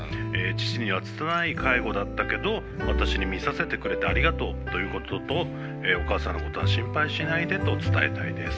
「父には拙い介護だったけど私に見させてくれてありがとうということとお母さんのことは心配しないでと伝えたいです」。